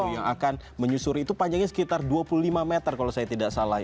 yang akan menyusuri itu panjangnya sekitar dua puluh lima meter kalau saya tidak salah